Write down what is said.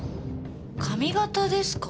髪型ですか？